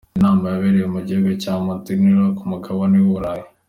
Ni inama yabereye mu gihugu cya Montenegro ku mugabane w’u Bulayi.